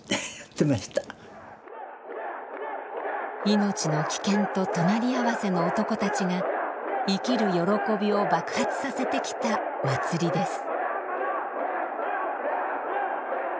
命の危険と隣り合わせの男たちが生きる喜びを爆発させてきた祭りです。